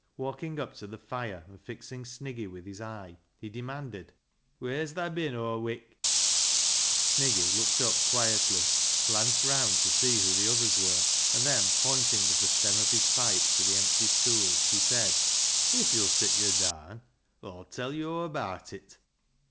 Walking up to the fire, and fixing Sniggy with his eye, he demanded —" Wheer's thaa bin aw wik ?" Sniggy looked up quietly, glanced round to see who the others were, and then, pointing with the stem of his pipe to the empty stools, he said — "If yo'll sit yo' daan Aw'll tell yo' aw abaat it."